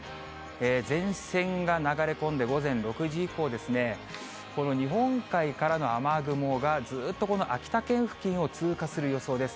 前線が流れ込んで、午前６時以降、この日本海からの雨雲が、ずーっとこの秋田県付近を通過する予想です。